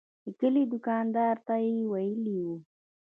د کلي دوکاندار ته یې ویلي و.